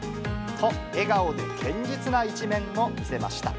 と、笑顔で堅実な一面も見せました。